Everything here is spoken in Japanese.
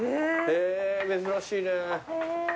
へえ珍しいね。